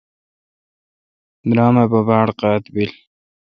درم اے° پہ باڑ قاد بل۔